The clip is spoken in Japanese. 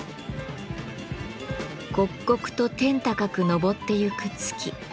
刻々と天高く昇ってゆく月。